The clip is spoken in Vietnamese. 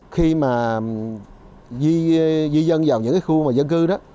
khi mà di dân vào những khu vực này